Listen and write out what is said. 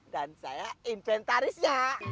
dan saya inventarisnya